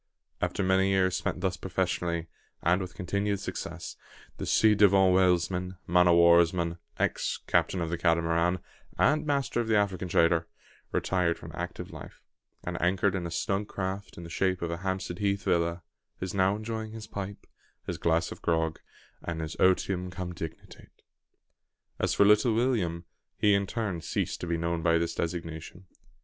After many years spent thus professionally, and with continued success, the ci devant whalesman, man o' war's man, ex captain of the Catamaran, and master of the African trader, retired from active life; and, anchored in a snug craft in the shape of a Hampstead Heath villa, is now enjoying his pipe, his glass of grog, and his otium cum dignitate. As for "Little William," he in turn ceased to be known by this designation.